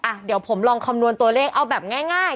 อ่ะเดี๋ยวผมลองคำนวณตัวเลขเอาแบบง่าย